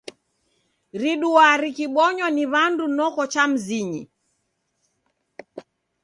Riduaa rikibonywa ni w'andu noko cha mizinyi.